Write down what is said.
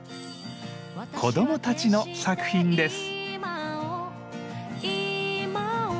子どもたちの作品です。